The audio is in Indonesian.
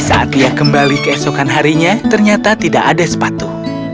saat ia kembali keesokan harinya ternyata tidak ada sepatu